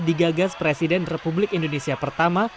digagas presiden republik indonesia pertama